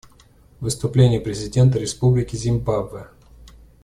Выступление президента Республики Зимбабве.